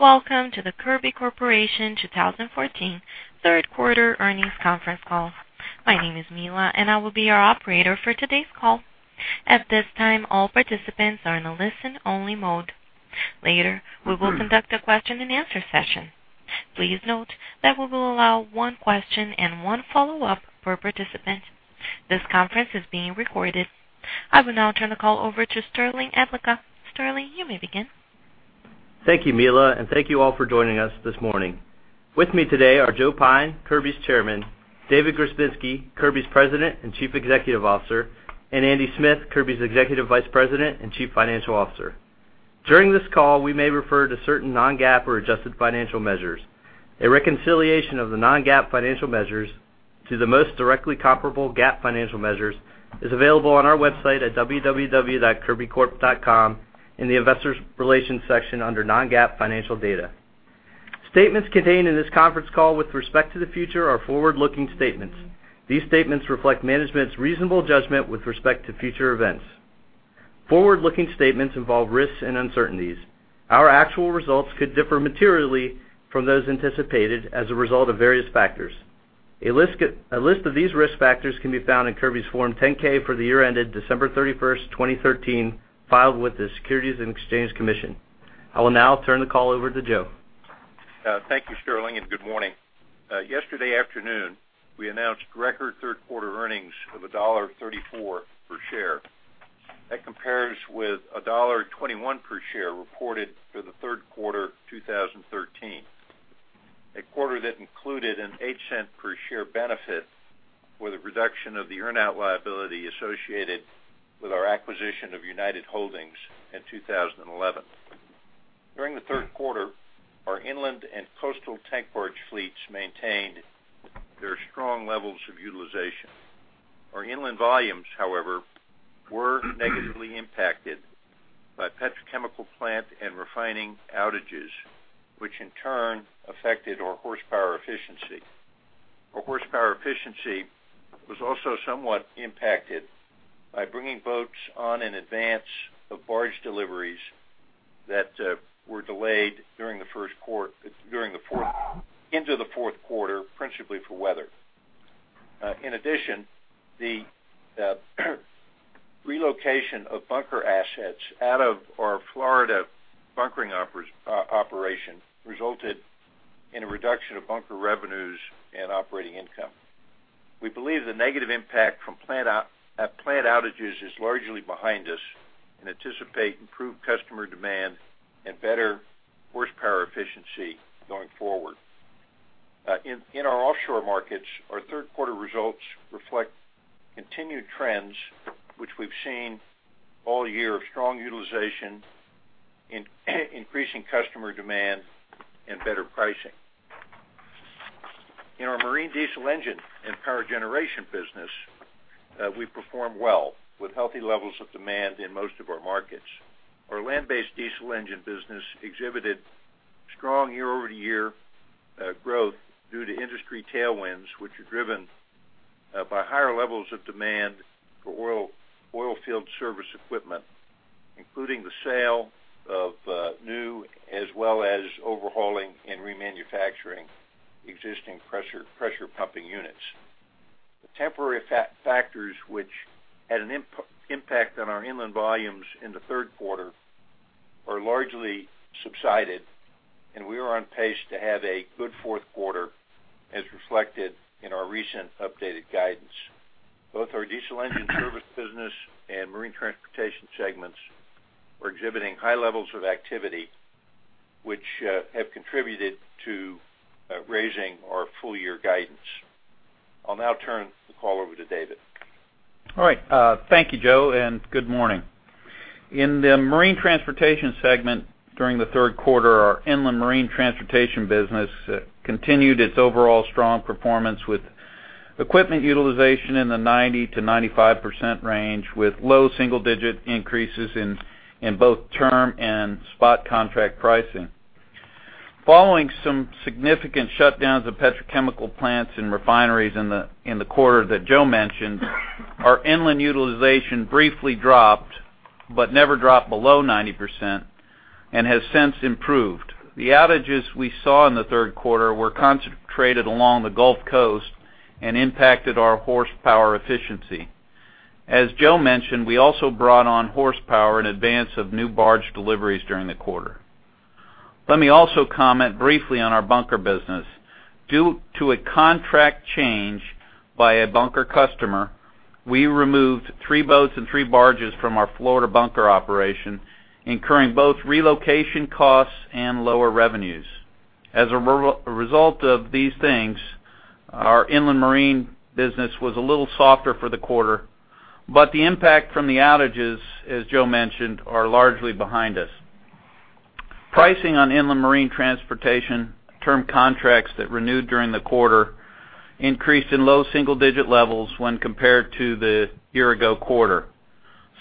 Welcome to the Kirby Corporation 2014 third quarter earnings conference call. My name is Mila, and I will be your operator for today's call. At this time, all participants are in a listen-only mode. Later, we will conduct a question-and-answer session. Please note that we will allow one question and one follow-up per participant. This conference is being recorded. I will now turn the call over to Sterling Adlakha. Sterling, you may begin. Thank you, Mila, and thank you all for joining us this morning. With me today are Joe Pyne, Kirby's Chairman, David Grzebinski, Kirby's President and Chief Executive Officer, and Andy Smith, Kirby's Executive Vice President and Chief Financial Officer. During this call, we may refer to certain non-GAAP or adjusted financial measures. A reconciliation of the non-GAAP financial measures to the most directly comparable GAAP financial measures is available on our website at www.kirbycorp.com in the Investor Relations section under Non-GAAP Financial Data. Statements contained in this conference call with respect to the future are forward-looking statements. These statements reflect management's reasonable judgment with respect to future events. Forward-looking statements involve risks and uncertainties. Our actual results could differ materially from those anticipated as a result of various factors. A list of these risk factors can be found in Kirby's Form 10-K for the year ended December 31, 2013, filed with the Securities and Exchange Commission. I will now turn the call over to Joe. Thank you, Sterling, and good morning. Yesterday afternoon, we announced record third-quarter earnings of $1.34 per share. That compares with $1.21 per share reported for the third quarter 2013, a quarter that included an $0.08 per share benefit with a reduction of the earn-out liability associated with our acquisition of United Holdings in 2011. During the third quarter, our inland and coastal tank barge fleets maintained their strong levels of utilization. Our inland volumes, however, were negatively impacted by petrochemical plant and refining outages, which in turn affected our horsepower efficiency. Our horsepower efficiency was also somewhat impacted by bringing boats on in advance of barge deliveries that were delayed during the fourth quarter, principally for weather. In addition, the relocation of bunker assets out of our Florida bunkering operation resulted in a reduction of bunker revenues and operating income. We believe the negative impact from plant outages is largely behind us and anticipate improved customer demand and better horsepower efficiency going forward. In our offshore markets, our third-quarter results reflect continued trends, which we've seen all year, of strong utilization, increasing customer demand, and better pricing. In our marine diesel engine and power generation business, we performed well with healthy levels of demand in most of our markets. Our land-based diesel engine business exhibited strong year-over-year growth due to industry tailwinds, which are driven by higher levels of demand for oil field service equipment, including the sale of new, as well as overhauling and remanufacturing existing pressure pumping units. The temporary factors which had an impact on our inland volumes in the third quarter are largely subsided, and we are on pace to have a good fourth quarter, as reflected in our recent updated guidance. Both our diesel engine service business and Marine Transportation segments are exhibiting high levels of activity, which have contributed to raising our full-year guidance. I'll now turn the call over to David. All right. Thank you, Joe, and good morning. In the Marine Transportation segment during the third quarter, our inland marine transportation business continued its overall strong performance with equipment utilization in the 90%-95% range, with low single-digit increases in both term and spot contract pricing. Following some significant shutdowns of petrochemical plants and refineries in the quarter that Joe mentioned, our inland utilization briefly dropped, but never dropped below 90% and has since improved. The outages we saw in the third quarter were concentrated along the Gulf Coast and impacted our horsepower efficiency. As Joe mentioned, we also brought on horsepower in advance of new barge deliveries during the quarter. Let me also comment briefly on our bunker business. Due to a contract change by a bunker customer, we removed 3 boats and 3 barges from our Florida bunker operation, incurring both relocation costs and lower revenues. As a result of these things, our inland marine business was a little softer for the quarter, but the impact from the outages, as Joe mentioned, are largely behind us. Pricing on inland marine transportation term contracts that renewed during the quarter increased in low single-digit levels when compared to the year-ago quarter.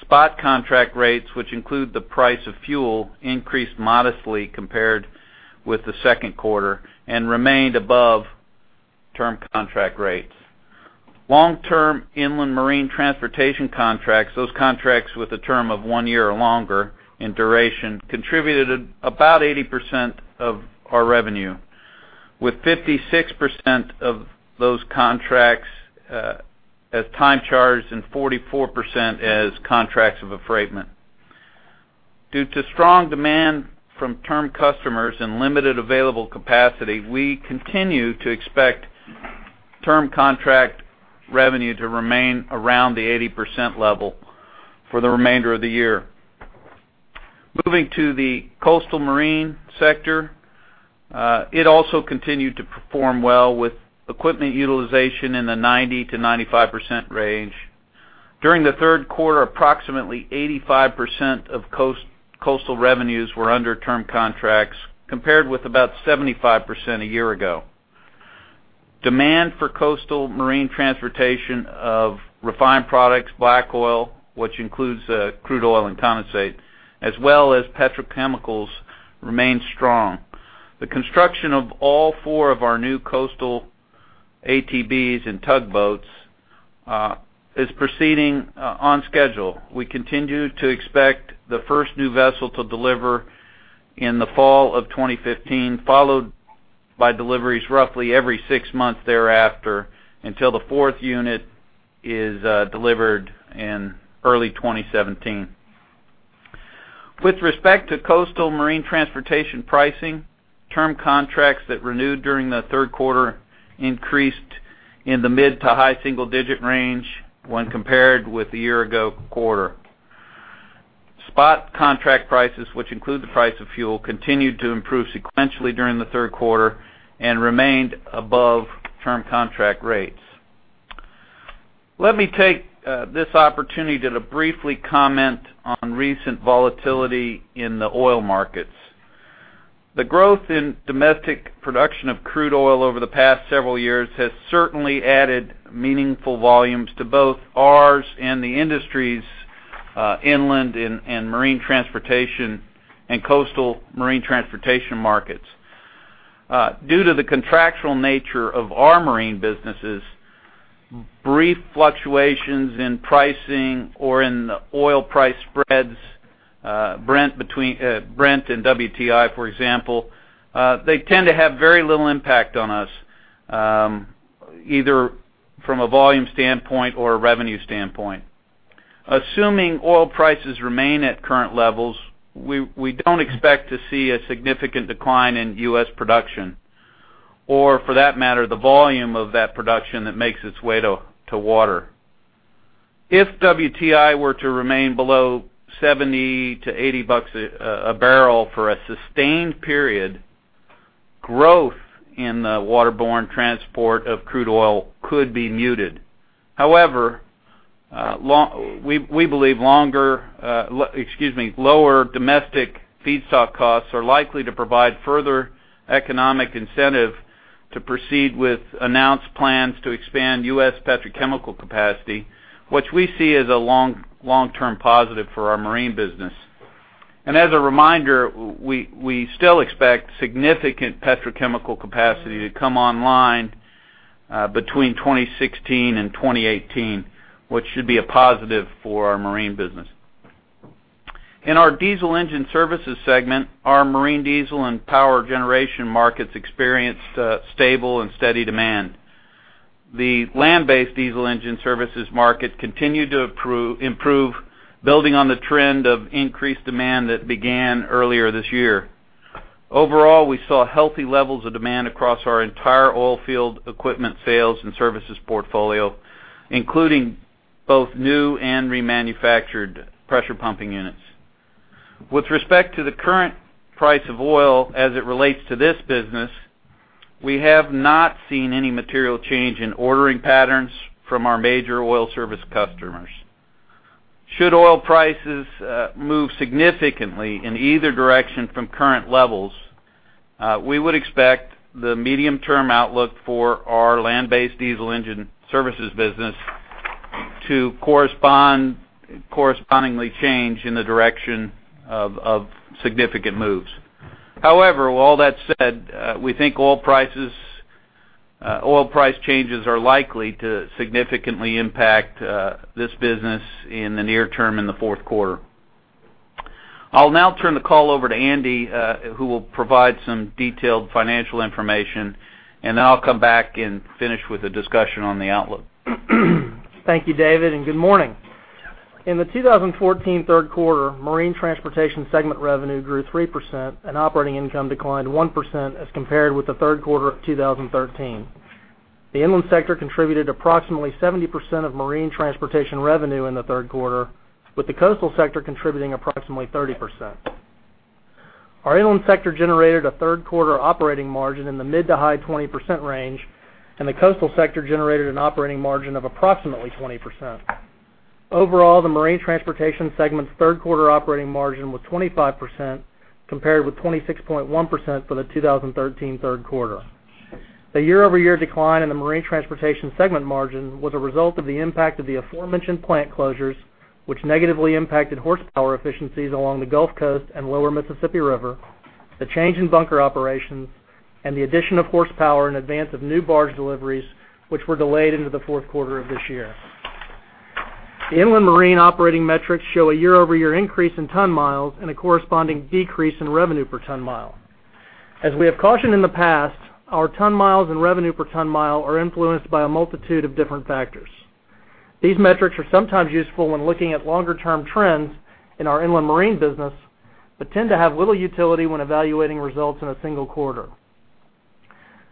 Spot contract rates, which include the price of fuel, increased modestly compared with the second quarter and remained above term contract rates.... Long-term inland marine transportation contracts, those contracts with a term of 1 year or longer in duration, contributed about 80% of our revenue, with 56% of those contracts as time charter and 44% as contracts of affreightment. Due to strong demand from term customers and limited available capacity, we continue to expect term contract revenue to remain around the 80% level for the remainder of the year. Moving to the coastal marine sector, it also continued to perform well, with equipment utilization in the 90%-95% range. During the third quarter, approximately 85% of coastal revenues were under term contracts, compared with about 75% a year ago. Demand for coastal marine transportation of refined products, black oil, which includes crude oil and condensate, as well as petrochemicals, remain strong. The construction of all four of our new coastal ATBs and tugboats is proceeding on schedule. We continue to expect the first new vessel to deliver in the fall of 2015, followed by deliveries roughly every 6 months thereafter, until the fourth unit is delivered in early 2017. With respect to coastal marine transportation pricing, term contracts that renewed during the third quarter increased in the mid- to high single-digit range when compared with the year-ago quarter. Spot contract prices, which include the price of fuel, continued to improve sequentially during the third quarter and remained above term contract rates. Let me take this opportunity to briefly comment on recent volatility in the oil markets. The growth in domestic production of crude oil over the past several years has certainly added meaningful volumes to both ours and the industry's inland and marine transportation and coastal marine transportation markets. Due to the contractual nature of our marine businesses, brief fluctuations in pricing or in the oil price spreads between Brent and WTI, for example, tend to have very little impact on us, either from a volume standpoint or a revenue standpoint. Assuming oil prices remain at current levels, we don't expect to see a significant decline in U.S. production, or for that matter, the volume of that production that makes its way to water. If WTI were to remain below $70-$80 a barrel for a sustained period, growth in the waterborne transport of crude oil could be muted. However, long... We believe lower domestic feedstock costs are likely to provide further economic incentive to proceed with announced plans to expand U.S. petrochemical capacity, which we see as a long-term positive for our marine business. As a reminder, we still expect significant petrochemical capacity to come online between 2016 and 2018, which should be a positive for our marine business. In our Diesel Engine Services segment, our marine diesel and power generation markets experienced stable and steady demand. The land-based diesel engine services market continued to improve, building on the trend of increased demand that began earlier this year. Overall, we saw healthy levels of demand across our entire oil field equipment, sales, and services portfolio, including both new and remanufactured pressure pumping units. With respect to the current price of oil as it relates to this business, we have not seen any material change in ordering patterns from our major oil service customers. Should oil prices move significantly in either direction from current levels, we would expect the medium-term outlook for our land-based diesel engine services business to correspondingly change in the direction of significant moves. However, with all that said, we think oil prices, oil price changes are likely to significantly impact this business in the near term, in the fourth quarter. I'll now turn the call over to Andy, who will provide some detailed financial information, and then I'll come back and finish with a discussion on the outlook. Thank you, David, and good morning. In the 2014 third quarter, Marine Transportation segment revenue grew 3%, and operating income declined 1% as compared with the third quarter of 2013. The inland sector contributed approximately 70% of marine transportation revenue in the third quarter, with the coastal sector contributing approximately 30%. Our inland sector generated a third quarter operating margin in the mid- to high-20% range, and the coastal sector generated an operating margin of approximately 20%. Overall, the Marine Transportation segment's third quarter operating margin was 25%, compared with 26.1% for the 2013 third quarter. The year-over-year decline in the Marine Transportation segment margin was a result of the impact of the aforementioned plant closures, which negatively impacted horsepower efficiencies along the Gulf Coast and lower Mississippi River.... The change in bunker operations, and the addition of horsepower in advance of new barge deliveries, which were delayed into the fourth quarter of this year. The inland marine operating metrics show a year-over-year increase in ton miles and a corresponding decrease in revenue per ton mile. As we have cautioned in the past, our ton miles and revenue per ton mile are influenced by a multitude of different factors. These metrics are sometimes useful when looking at longer-term trends in our inland marine business, but tend to have little utility when evaluating results in a single quarter.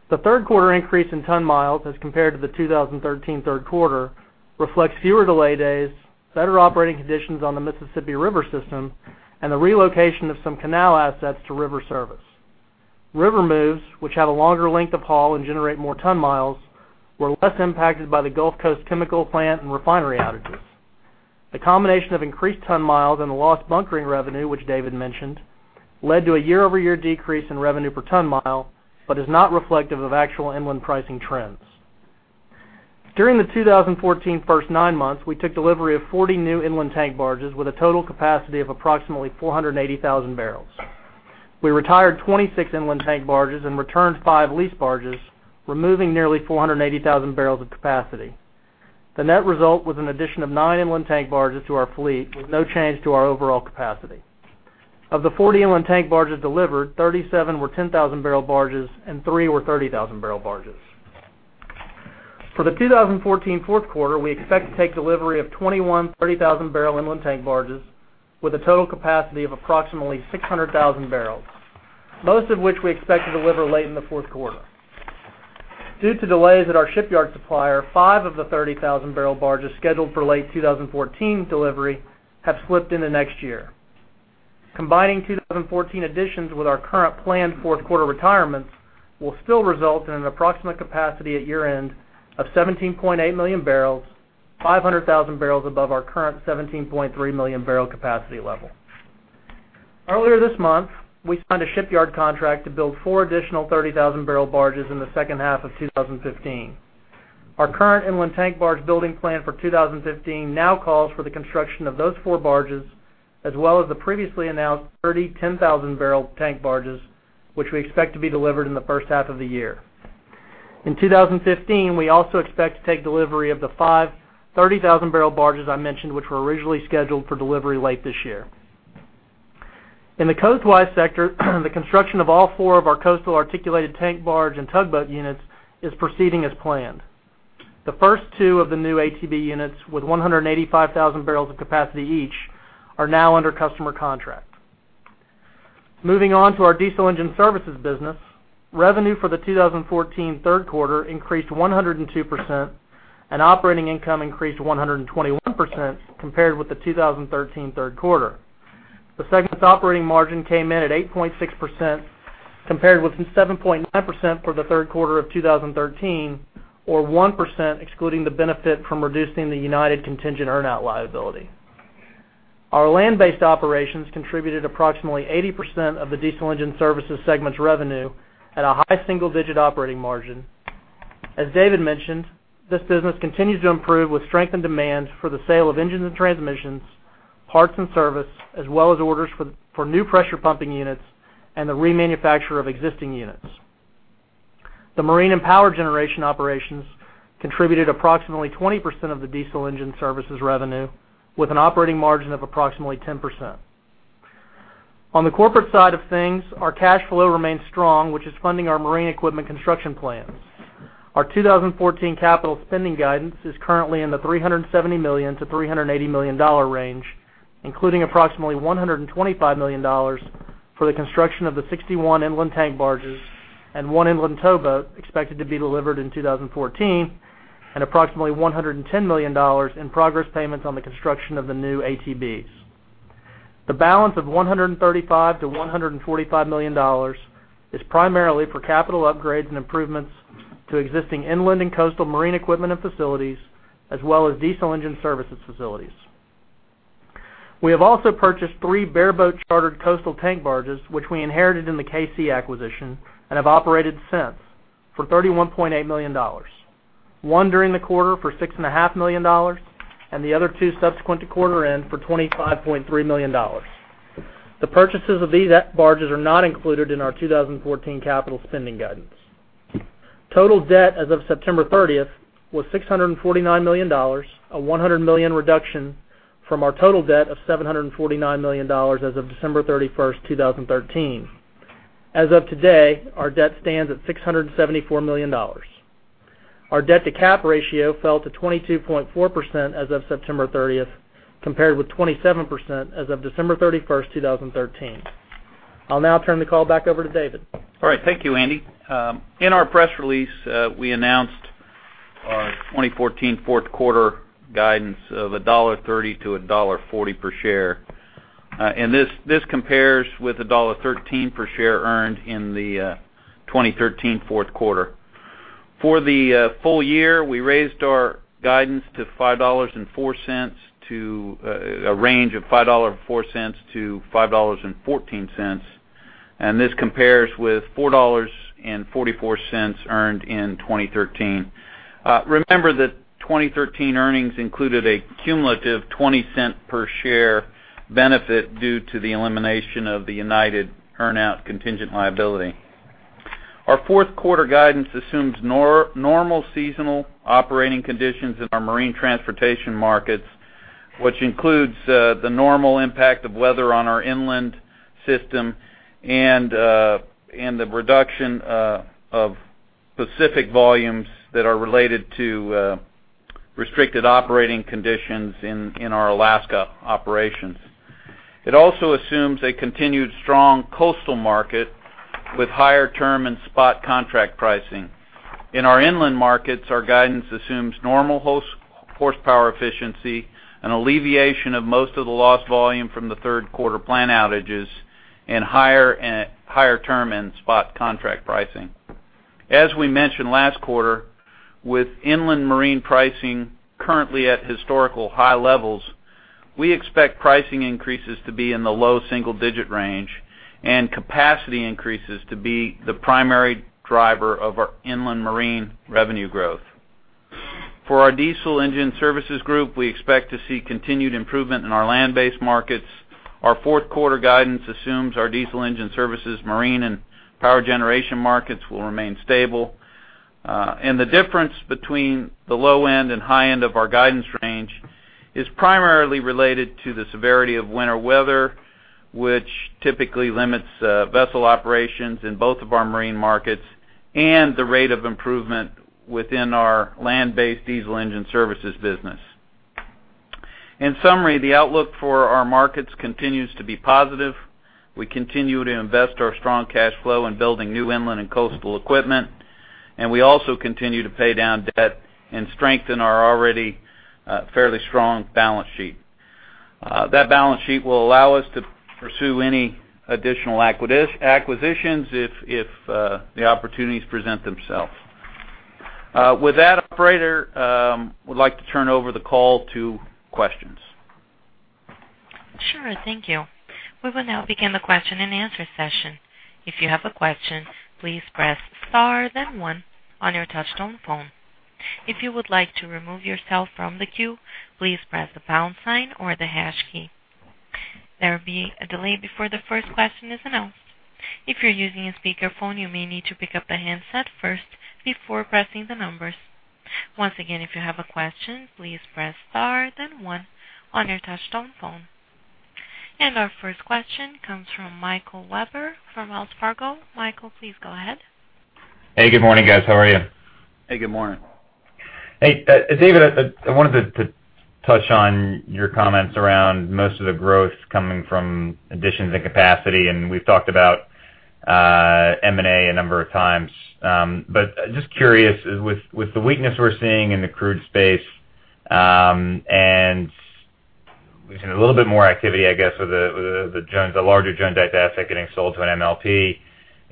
The third quarter increase in ton miles as compared to the 2013 third quarter reflects fewer delay days, better operating conditions on the Mississippi River system, and the relocation of some canal assets to river service. River moves, which have a longer length of haul and generate more ton-miles, were less impacted by the Gulf Coast chemical plant and refinery outages. The combination of increased ton-miles and the lost bunkering revenue, which David mentioned, led to a year-over-year decrease in revenue per ton-mile, but is not reflective of actual inland pricing trends. During the 2014 first nine months, we took delivery of 40 new inland tank barges with a total capacity of approximately 480,000 barrels. We retired 26 inland tank barges and returned 5 lease barges, removing nearly 480,000 barrels of capacity. The net result was an addition of 9 inland tank barges to our fleet, with no change to our overall capacity. Of the 40 inland tank barges delivered, 37 were 10,000-barrel barges and 3 were 30,000-barrel barges. For the 2014 fourth quarter, we expect to take delivery of 21 30,000-barrel inland tank barges with a total capacity of approximately 600,000 barrels, most of which we expect to deliver late in the fourth quarter. Due to delays at our shipyard supplier, 5 of the 30,000-barrel barges scheduled for late 2014 delivery have slipped into next year. Combining 2014 additions with our current planned fourth quarter retirements will still result in an approximate capacity at year-end of 17.8 million barrels, 500,000 barrels above our current 17.3 million barrel capacity level. Earlier this month, we signed a shipyard contract to build 4 additional 30,000-barrel barges in the second half of 2015. Our current inland tank barge building plan for 2015 now calls for the construction of those four barges, as well as the previously announced 30 10,000-barrel tank barges, which we expect to be delivered in the first half of the year. In 2015, we also expect to take delivery of the five 30,000-barrel barges I mentioned, which were originally scheduled for delivery late this year. In the coastwise sector, the construction of all four of our coastal articulated tank barge and tugboat units is proceeding as planned. The first two of the new ATB units, with 185,000 barrels of capacity each, are now under customer contract. Moving on to our Diesel Engine Services business, revenue for the 2014 third quarter increased 102%, and operating income increased 121% compared with the 2013 third quarter. The segment's operating margin came in at 8.6%, compared with 7.9% for the third quarter of 2013, or 1% excluding the benefit from reducing the United contingent earn-out liability. Our land-based operations contributed approximately 80% of the Diesel Engine Services segment's revenue at a high single-digit operating margin. As David mentioned, this business continues to improve with strengthened demand for the sale of engines and transmissions, parts and service, as well as orders for new pressure pumping units and the remanufacture of existing units. The marine and power generation operations contributed approximately 20% of the Diesel Engine Services revenue, with an operating margin of approximately 10%. On the corporate side of things, our cash flow remains strong, which is funding our marine equipment construction plans. Our 2014 capital spending guidance is currently in the $370 million-$380 million range, including approximately $125 million for the construction of the 61 inland tank barges and one inland towboat expected to be delivered in 2014, and approximately $110 million in progress payments on the construction of the new ATBs. The balance of $135 million-$145 million is primarily for capital upgrades and improvements to existing inland and coastal marine equipment and facilities, as well as Diesel Engine Services facilities. We have also purchased three bareboat chartered coastal tank barges, which we inherited in the K-Sea acquisition and have operated since, for $31.8 million, one during the quarter for $6.5 million, and the other two subsequent to quarter-end for $25.3 million. The purchases of these barges are not included in our 2014 capital spending guidance. Total debt as of September 30th was $649 million, a $100 million reduction from our total debt of $749 million as of December 31st, 2013. As of today, our debt stands at $674 million. Our debt-to-cap ratio fell to 22.4% as of September 30th, compared with 27% as of December 31st, 2013. I'll now turn the call back over to David. All right. Thank you, Andy. In our press release, we announced our 2014 fourth quarter guidance of $1.30 - $1.40 per share. And this compares with $1.13 per share earned in the 2013 fourth quarter. For the full year, we raised our guidance to a range of $5.04-$5.14, and this compares with $4.44 earned in 2013. Remember that 2013 earnings included a cumulative 20-cent per share benefit due to the elimination of the United earn-out contingent liability. Our fourth quarter guidance assumes normal seasonal operating conditions in our marine transportation markets, which includes the normal impact of weather on our inland system and the reduction of specific volumes that are related to restricted operating conditions in our Alaska operations. It also assumes a continued strong coastal market with higher term and spot contract pricing. In our inland markets, our guidance assumes normal horsepower efficiency and alleviation of most of the lost volume from the third quarter planned outages, and higher term and spot contract pricing. As we mentioned last quarter, with inland marine pricing currently at historical high levels, we expect pricing increases to be in the low single digit range, and capacity increases to be the primary driver of our inland marine revenue growth. For our Diesel Engine Services group, we expect to see continued improvement in our land-based markets. Our fourth quarter guidance assumes our Diesel Engine Services, marine and power generation markets will remain stable. And the difference between the low end and high end of our guidance range is primarily related to the severity of winter weather, which typically limits vessel operations in both of our marine markets and the rate of improvement within our land-based Diesel Engine Services business. In summary, the outlook for our markets continues to be positive. We continue to invest our strong cash flow in building new inland and coastal equipment, and we also continue to pay down debt and strengthen our already fairly strong balance sheet. That balance sheet will allow us to pursue any additional acquisitions if the opportunities present themselves. With that, operator, would like to turn over the call to questions. Sure. Thank you. We will now begin the question-and-answer session. If you have a question, please press star, then one on your touchtone phone. If you would like to remove yourself from the queue, please press the pound sign or the hash key. There will be a delay before the first question is announced. If you're using a speakerphone, you may need to pick up the handset first before pressing the numbers. Once again, if you have a question, please press star, then one on your touchtone phone. And our first question comes from Michael Webber from Wells Fargo. Michael, please go ahead. Hey, good morning, guys. How are you? Hey, good morning. Hey, David, I wanted to touch on your comments around most of the growth coming from additions and capacity, and we've talked about M&A a number of times. But just curious, with the weakness we're seeing in the crude space, and we've seen a little bit more activity, I guess, with the larger joint asset getting sold to an MLP,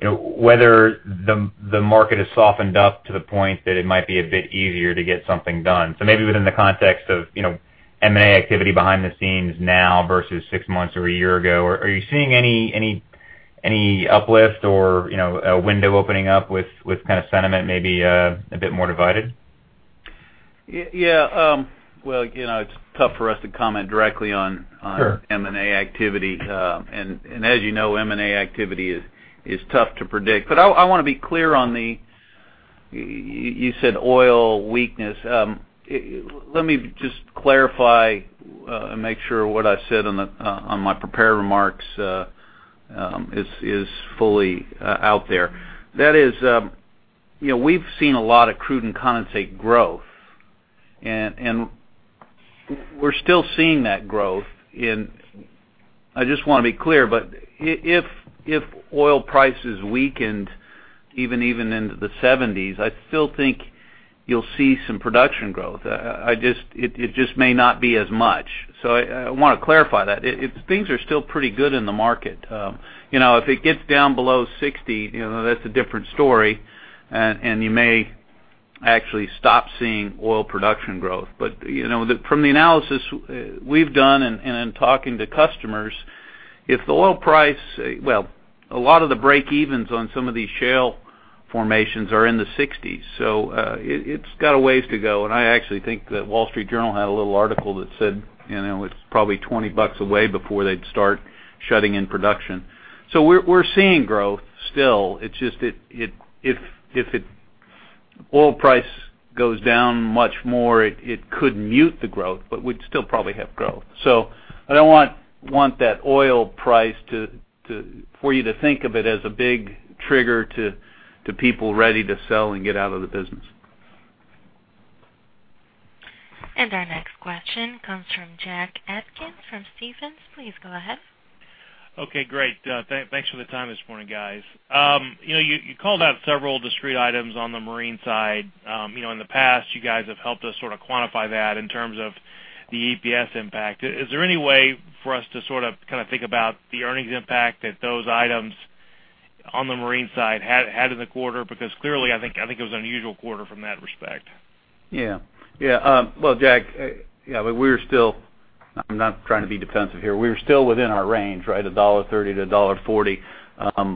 you know, whether the market has softened up to the point that it might be a bit easier to get something done. So maybe within the context of, you know, M&A activity behind the scenes now versus six months or a year ago, are you seeing any uplift or, you know, a window opening up with kind of sentiment, maybe a bit more divided? Yeah, well, you know, it's tough for us to comment directly on, Sure M&A activity. As you know, M&A activity is tough to predict. But I wanna be clear on the... you said oil weakness. Let me just clarify, and make sure what I said on the, on my prepared remarks, is fully out there. That is, you know, we've seen a lot of crude and condensate growth, and we're still seeing that growth in-- I just wanna be clear, but if oil prices weakened, even into the 70s, I still think you'll see some production growth. I just it just may not be as much. So I wanna clarify that. It things are still pretty good in the market. You know, if it gets down below 60, you know, that's a different story. You may actually stop seeing oil production growth. But, you know, from the analysis we've done and in talking to customers, if the oil price... Well, a lot of the break evens on some of these shale formations are in the sixties, so it's got a ways to go. I actually think that The Wall Street Journal had a little article that said, you know, it's probably $20 away before they'd start shutting in production. So we're seeing growth still. It's just, if the oil price goes down much more, it could mute the growth, but we'd still probably have growth. So I don't want that oil price for you to think of it as a big trigger to people ready to sell and get out of the business. Our next question comes from Jack Atkins from Stephens. Please go ahead. Okay, great. Thanks for the time this morning, guys. You know, you called out several discrete items on the marine side. You know, in the past, you guys have helped us sort of quantify that in terms of the EPS impact. Is there any way for us to sort of, kind of think about the earnings impact that those items on the marine side had in the quarter? Because clearly, I think it was an unusual quarter from that respect. Yeah. Yeah, well, Jack, yeah, but I'm not trying to be defensive here. We were still within our range, right? $1.30 - $1.40.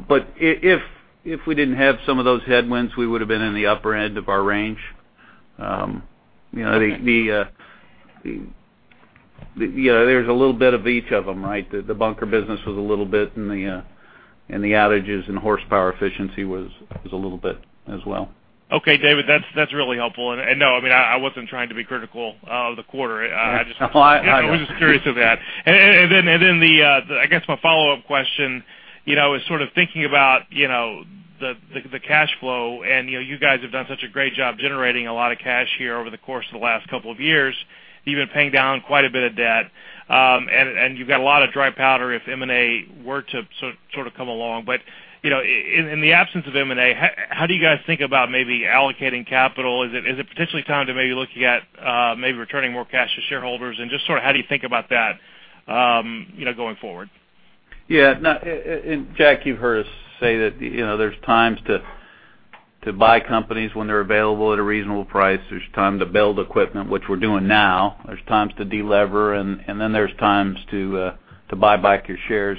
But if we didn't have some of those headwinds, we would have been in the upper end of our range. You know, yeah, there's a little bit of each of them, right? The bunker business was a little bit, and the outages and horsepower efficiency was a little bit as well. Okay, David, that's, that's really helpful. And, and no, I mean, I, I wasn't trying to be critical of the quarter. I just- Well, I know. I was just curious of that. And then the... I guess my follow-up question, you know, is sort of thinking about, you know, the cash flow, and, you know, you guys have done such a great job generating a lot of cash here over the course of the last couple of years, even paying down quite a bit of debt. And you've got a lot of dry powder if M&A were to sort of come along. But, you know, in the absence of M&A, how do you guys think about maybe allocating capital? Is it potentially time to maybe looking at, maybe returning more cash to shareholders? And just sort of how do you think about that, you know, going forward? Yeah. Now, and Jack, you've heard us say that, you know, there's times to buy companies when they're available at a reasonable price. There's time to build equipment, which we're doing now. There's times to delever, and then there's times to buy back your shares.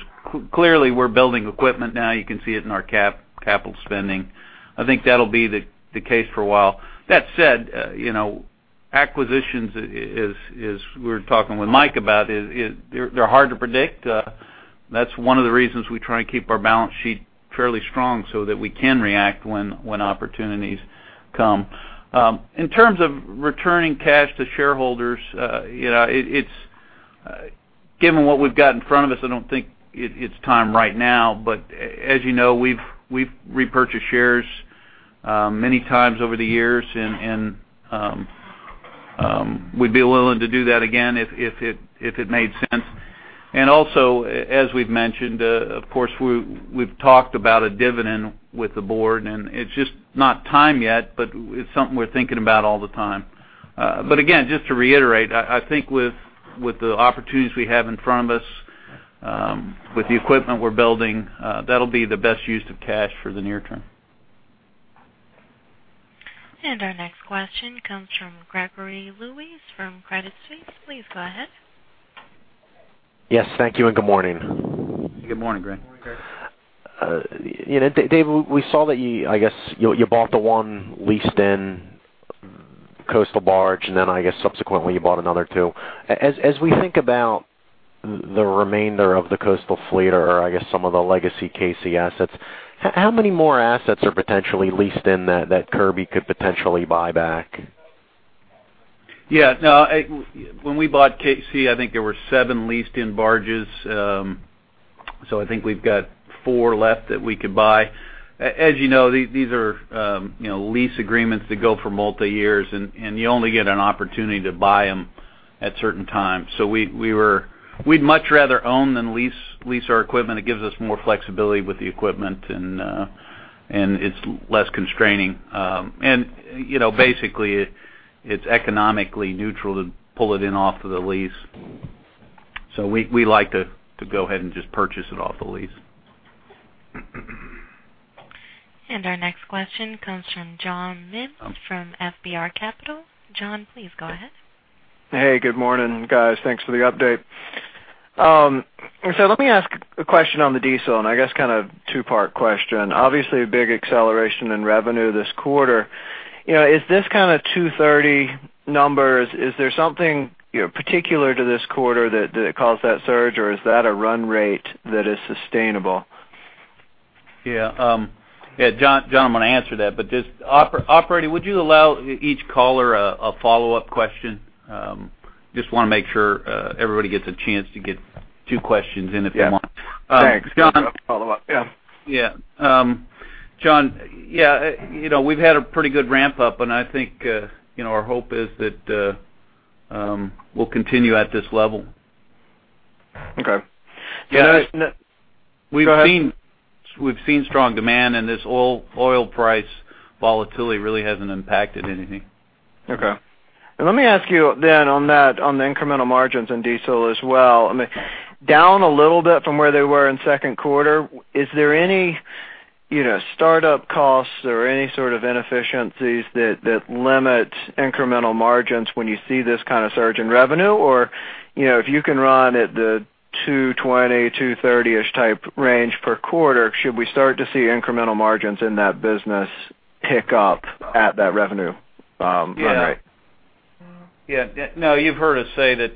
Clearly, we're building equipment now. You can see it in our capital spending. I think that'll be the case for a while. That said, you know, acquisitions, as we were talking with Mike about, they're hard to predict. That's one of the reasons we try and keep our balance sheet fairly strong, so that we can react when opportunities come. In terms of returning cash to shareholders, you know, it's given what we've got in front of us, I don't think it's time right now. But as you know, we've repurchased shares many times over the years, and we'd be willing to do that again if it made sense. And also, as we've mentioned, of course, we've talked about a dividend with the board, and it's just not time yet, but it's something we're thinking about all the time. But again, just to reiterate, I think with the opportunities we have in front of us, with the equipment we're building, that'll be the best use of cash for the near term. Our next question comes from Gregory Lewis, from Credit Suisse. Please go ahead. Yes. Thank you, and good morning. Good morning, Greg. Good morning, Greg. You know, David, we saw that you, I guess, bought the one leased-in coastal barge, and then I guess subsequently, you bought another two. As we think about the remainder of the coastal fleet, or I guess, some of the legacy K-Sea assets, how many more assets are potentially leased in that Kirby could potentially buy back? Yeah. Now, when we bought K-Sea, I think there were 7 leased-in barges. So I think we've got 4 left that we could buy. As you know, these are, you know, lease agreements that go for multi years, and you only get an opportunity to buy them at certain times. So we'd much rather own than lease our equipment. It gives us more flexibility with the equipment, and it's less constraining. And, you know, basically, it's economically neutral to pull it in off of the lease. So we like to go ahead and just purchase it off the lease. Our next question comes from John Mims, from FBR Capital. John, please go ahead. Hey, good morning, guys. Thanks for the update. So let me ask a question on the diesel, and I guess kind of two-part question. Obviously, a big acceleration in revenue this quarter. You know, is this kind of 230 numbers, is there something, you know, particular to this quarter that, that caused that surge, or is that a run rate that is sustainable? Yeah. Yeah, John, John, I'm going to answer that. But just, operator, would you allow each caller a follow-up question? Just want to make sure everybody gets a chance to get two questions in if they want. Yeah. Thanks. Um, John- Follow-up. Yeah. Yeah. John, yeah, you know, we've had a pretty good ramp-up, and I think, you know, our hope is that we'll continue at this level. Okay. Yeah, We've seen- Go ahead. We've seen strong demand, and this oil, oil price volatility really hasn't impacted anything. Okay. And let me ask you then on that, on the incremental margins in diesel as well. I mean, down a little bit from where they were in second quarter, is there any, you know, startup costs or any sort of inefficiencies that limit incremental margins when you see this kind of surge in revenue? Or, you know, if you can run at the $220, $230-ish type range per quarter, should we start to see incremental margins in that business pick up at that revenue run rate? Yeah. Yeah, yeah. No, you've heard us say that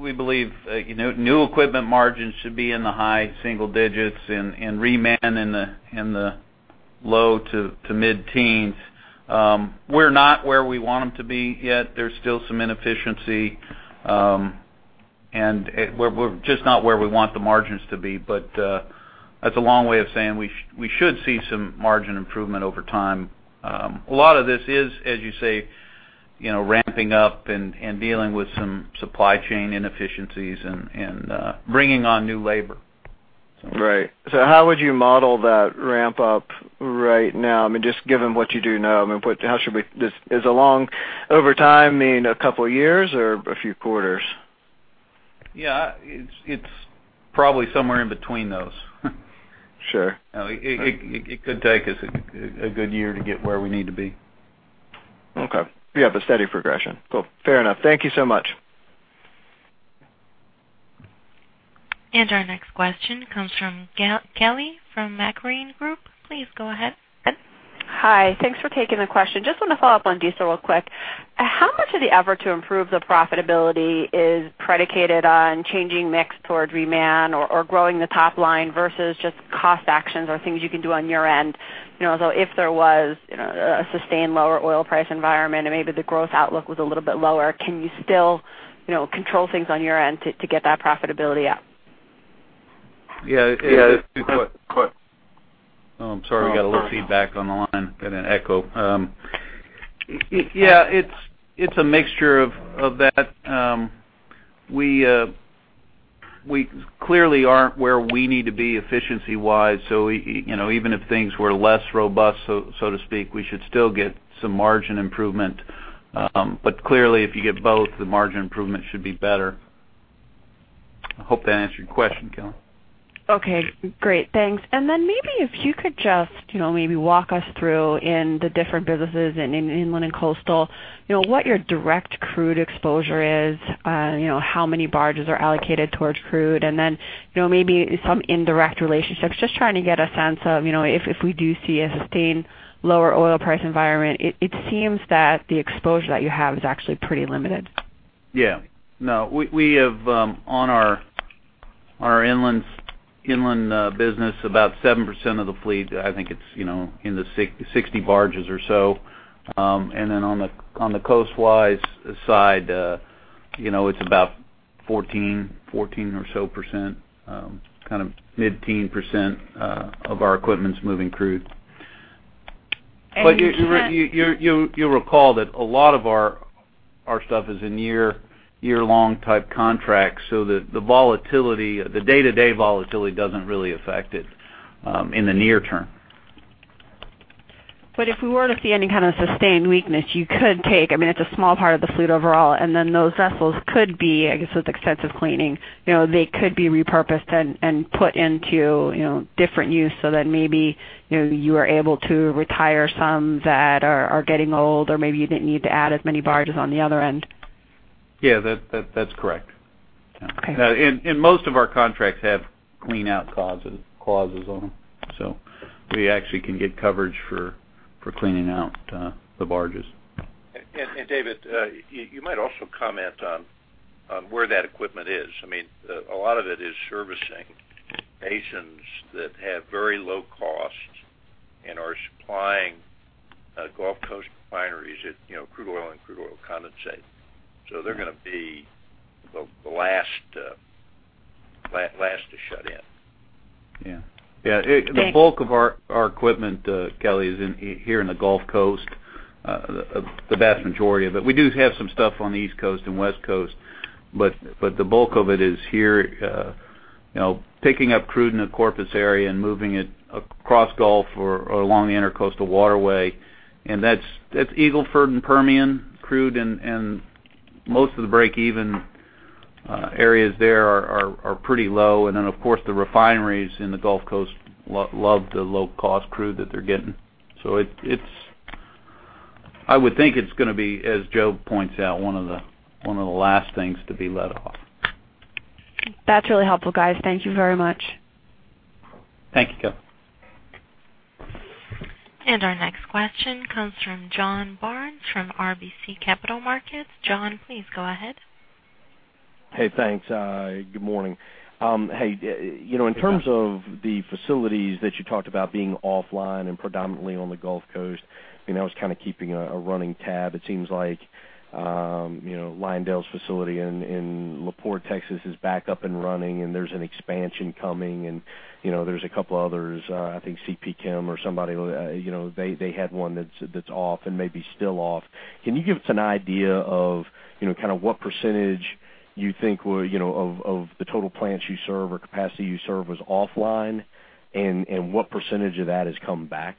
we believe, you know, new equipment margins should be in the high single digits and reman in the low to mid-teens. We're not where we want them to be yet. There's still some inefficiency, and we're just not where we want the margins to be. But that's a long way of saying, we should see some margin improvement over time. A lot of this is, as you say, you know, ramping up and dealing with some supply chain inefficiencies and bringing on new labor. Right. So how would you model that ramp up right now? I mean, just given what you do know, I mean, what—how should we... Does, is along over time mean a couple of years or a few quarters? Yeah, it's probably somewhere in between those. Sure. It could take us a good year to get where we need to be.... Okay. You have a steady progression. Cool. Fair enough. Thank you so much. Our next question comes from Kelly Dougherty from Macquarie Group. Please go ahead. Hi. Thanks for taking the question. Just want to follow up on diesel real quick. How much of the effort to improve the profitability is predicated on changing mix towards reman or, or growing the top line versus just cost actions or things you can do on your end? You know, so if there was, you know, a sustained lower oil price environment and maybe the growth outlook was a little bit lower, can you still, you know, control things on your end to, to get that profitability up? Yeah. Yeah. Oh, I'm sorry, we got a little feedback on the line, got an echo. Yeah, it's a mixture of that. We clearly aren't where we need to be efficiency-wise, so we, you know, even if things were less robust, so to speak, we should still get some margin improvement. But clearly, if you get both, the margin improvement should be better. I hope that answered your question, Kelly. Okay, great. Thanks. And then maybe if you could just, you know, maybe walk us through the different businesses in Inland and Coastal, you know, what your direct crude exposure is, you know, how many barges are allocated towards crude, and then, you know, maybe some indirect relationships. Just trying to get a sense of, you know, if we do see a sustained lower oil price environment, it seems that the exposure that you have is actually pretty limited. Yeah. No, we have on our inland business about 7% of the fleet. I think it's, you know, 60 barges or so. And then on the coastwise side, you know, it's about 14 or so percent, kind of mid-teen%, of our equipment's moving crude. And you- But you'll recall that a lot of our stuff is in year-long type contracts, so that the volatility, the day-to-day volatility doesn't really affect it in the near term. But if we were to see any kind of sustained weakness, you could take... I mean, it's a small part of the fleet overall, and then those vessels could be, I guess, with extensive cleaning, you know, they could be repurposed and put into, you know, different use so that maybe, you know, you are able to retire some that are getting old, or maybe you didn't need to add as many barges on the other end. Yeah, that's correct. Okay. And most of our contracts have clean-out clauses on them, so we actually can get coverage for cleaning out the barges. And, David, you might also comment on where that equipment is. I mean, a lot of it is servicing basins that have very low costs and are supplying Gulf Coast refineries at, you know, crude oil and crude oil condensate. So they're gonna be the last to shut in. Yeah. Yeah. Thanks. The bulk of our equipment, Kelly, is here in the Gulf Coast, the vast majority of it. We do have some stuff on the East Coast and West Coast, but the bulk of it is here, you know, picking up crude in the Corpus area and moving it across Gulf or along the Intracoastal Waterway. And that's Eagle Ford and Permian crude, and most of the break-even areas there are pretty low. And then, of course, the refineries in the Gulf Coast love the low-cost crude that they're getting. So it's—I would think it's gonna be, as Joe points out, one of the last things to be let off. That's really helpful, guys. Thank you very much. Thank you, Kelly. Our next question comes from John Barnes from RBC Capital Markets. John, please go ahead. Hey, thanks. Good morning. Hey, you know, in terms of the facilities that you talked about being offline and predominantly on the Gulf Coast, I mean, I was kind of keeping a running tab. It seems like, you know, Lyondell's facility in La Porte, Texas, is back up and running, and there's an expansion coming, and, you know, there's a couple others, I think CP Chem or somebody, you know, they had one that's off and maybe still off. Can you give us an idea of, you know, kind of what percentage you think of the total plants you serve or capacity you serve was offline, and what percentage of that has come back?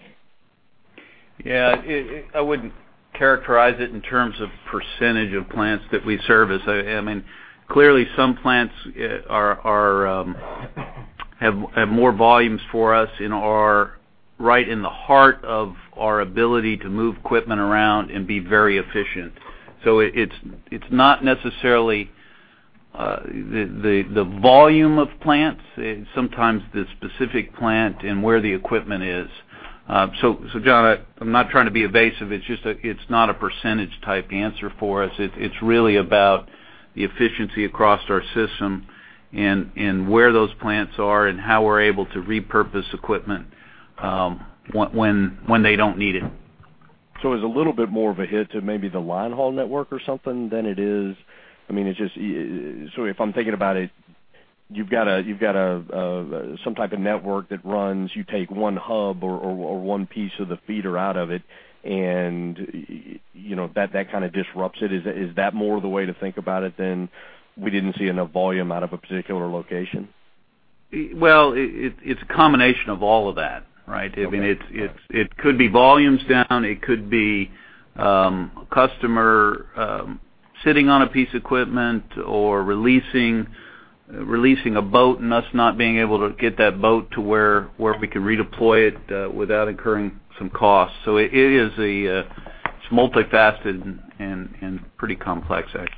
Yeah, I wouldn't characterize it in terms of percentage of plants that we service. I mean, clearly, some plants have more volumes for us right in the heart of our ability to move equipment around and be very efficient. So it's not necessarily the volume of plants, sometimes the specific plant and where the equipment is. So John, I'm not trying to be evasive, it's just that it's not a percentage-type answer for us. It's really about the efficiency across our system and where those plants are, and how we're able to repurpose equipment when they don't need it. So it's a little bit more of a hit to maybe the line haul network or something than it is. I mean, it's just... So if I'm thinking about it, you've got some type of network that runs, you take one hub or one piece of the feeder out of it, and you know, that kind of disrupts it. Is that more the way to think about it than we didn't see enough volume out of a particular location? Well, it’s a combination of all of that, right? Okay. I mean, it could be volumes down, it could be customer sitting on a piece of equipment or releasing a boat and us not being able to get that boat to where we can redeploy it without incurring some costs. So it is a, it's multifaceted and pretty complex, actually.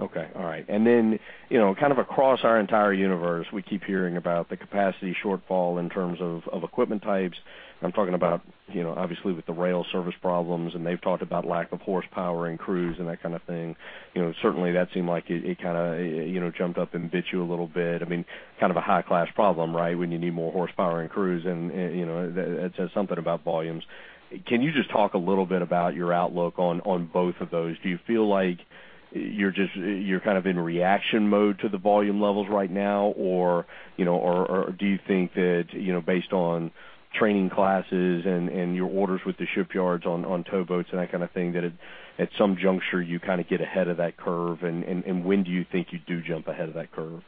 Okay, all right. And then, you know, kind of across our entire universe, we keep hearing about the capacity shortfall in terms of equipment types. I'm talking about, you know, obviously, with the rail service problems, and they've talked about lack of horsepower and crews and that kind of thing. You know, certainly, that seemed like it kind of, you know, jumped up and bit you a little bit. I mean, kind of a high-class problem, right? When you need more horsepower and crews, and, you know, that says something about volumes. Can you just talk a little bit about your outlook on both of those? Do you feel like you're just—you're kind of in reaction mode to the volume levels right now? Or, you know, do you think that, you know, based on training classes and your orders with the shipyards on towboats and that kind of thing, that at some juncture, you kind of get ahead of that curve? And when do you think you do jump ahead of that curve?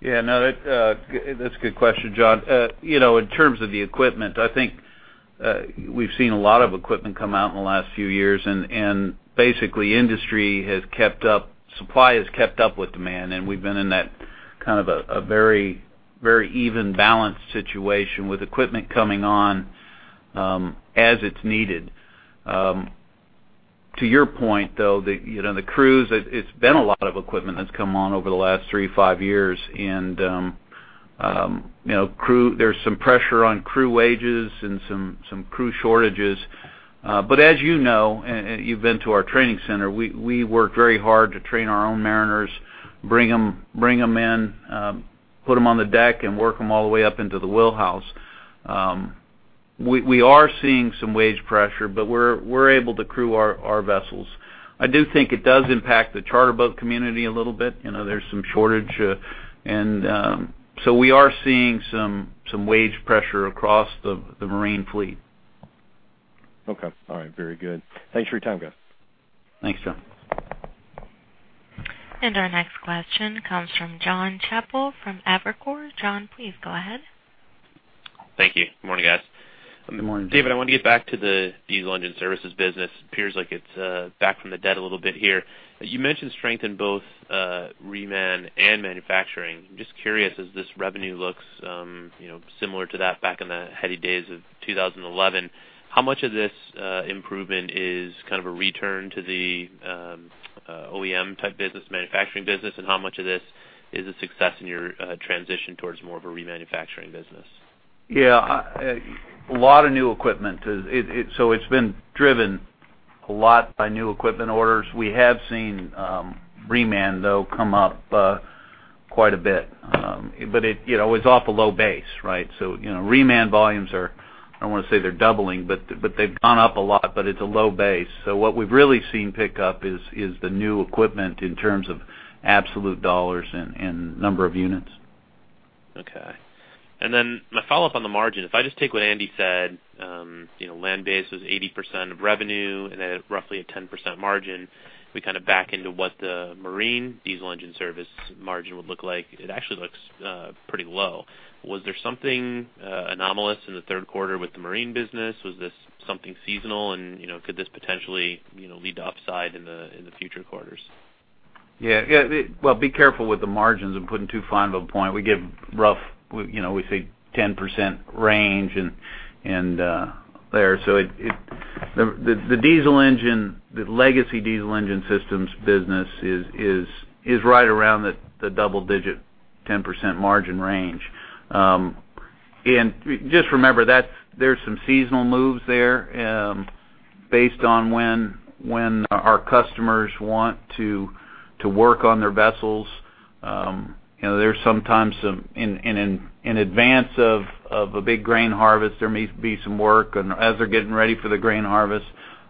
Yeah, no, that, that's a good question, John. You know, in terms of the equipment, I think, we've seen a lot of equipment come out in the last few years, and, and basically, industry has kept up, supply has kept up with demand, and we've been in that kind of a, a very, very even, balanced situation with equipment coming on, as it's needed. To your point, though, that, you know, the crews, it, it's been a lot of equipment that's come on over the last 3-5 years. And, you know, crew, there's some pressure on crew wages and some, some crew shortages. But as you know, you've been to our training center, we work very hard to train our own mariners, bring them in, put them on the deck and work them all the way up into the wheelhouse. We are seeing some wage pressure, but we're able to crew our vessels. I do think it does impact the charter boat community a little bit. You know, there's some shortage, and so we are seeing some wage pressure across the marine fleet. Okay. All right. Very good. Thanks for your time, guys. Thanks, John. Our next question comes from Jon Chappell from Evercore. John, please go ahead. Thank you. Good morning, guys. Good morning, John. David, I want to get back to the Diesel Engine Services business. Appears like it's back from the dead a little bit here. You mentioned strength in both reman and manufacturing. Just curious, as this revenue looks, you know, similar to that back in the heady days of 2011, how much of this improvement is kind of a return to the OEM-type business, manufacturing business, and how much of this is a success in your transition towards more of a remanufacturing business? Yeah, a lot of new equipment. It, it—so it's been driven a lot by new equipment orders. We have seen, reman, though, come up, quite a bit. But it, you know, it's off a low base, right? So, you know, reman volumes are, I don't want to say they're doubling, but, but they've gone up a lot, but it's a low base. So what we've really seen pick up is, is the new equipment in terms of absolute dollars and, and number of units. Okay. Then my follow-up on the margin, if I just take what Andy said, you know, land-based was 80% of revenue and then roughly a 10% margin, we kind of back into what the marine diesel engine service margin would look like. It actually looks pretty low. Was there something anomalous in the third quarter with the marine business? Was this something seasonal? And, you know, could this potentially, you know, lead to upside in the future quarters? Yeah, yeah. Well, be careful with the margins and putting too fine of a point. We give rough, you know, we say 10% range and there. So it... The diesel engine, the legacy diesel engine systems business is right around the double-digit, 10% margin range. And just remember that there's some seasonal moves there, based on when our customers want to work on their vessels. You know, there's sometimes some, in advance of a big grain harvest, there may be some work, and as they're getting ready for the grain harvest,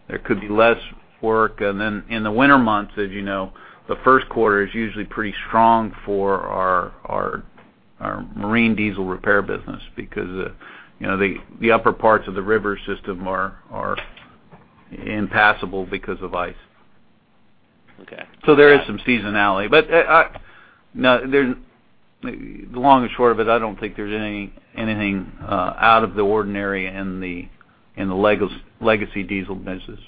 there could be less work. And then in the winter months, as you know, the first quarter is usually pretty strong for our marine diesel repair business because, you know, the upper parts of the river system are impassable because of ice. Okay. So there is some seasonality. But now, there's the long and short of it, I don't think there's anything out of the ordinary in the legacy diesel business.